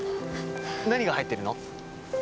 何が入ってるの？